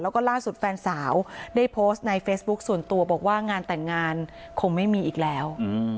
แล้วก็ล่าสุดแฟนสาวได้โพสต์ในเฟซบุ๊คส่วนตัวบอกว่างานแต่งงานคงไม่มีอีกแล้ว